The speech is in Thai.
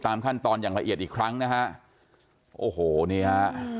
ขั้นตอนอย่างละเอียดอีกครั้งนะฮะโอ้โหนี่ฮะ